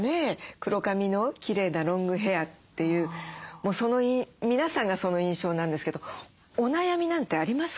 黒髪のきれいなロングヘアというもう皆さんがその印象なんですけどお悩みなんてありますか？